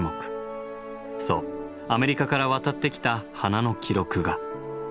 そうアメリカから渡ってきた花の記録が。